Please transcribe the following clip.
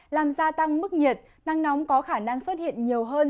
làm gia tăng mức nhiệt nắng nóng có khả năng xuất hiện nhiều hơn